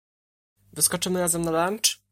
Wyskoczymy razem na lunch?